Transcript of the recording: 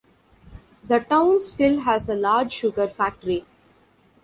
The town still has a large sugar factory.